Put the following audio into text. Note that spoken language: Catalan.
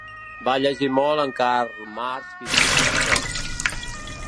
Va llegir molt en Karl Marx i Sigmund Freud.